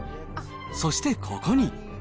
そしてここに。